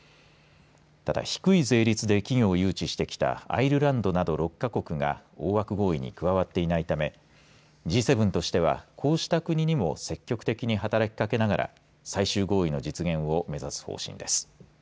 ただ低い税率で企業を誘致してきたアイルランドなど６か国が大枠合意に加わっていないためＧ７としては、こうした国にも積極的に働きかけながら最終合意の実現を目指す方針です。